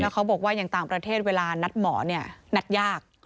เขาบอกว่าอย่างต่างประเทศเวลานัดหมอนัดยาก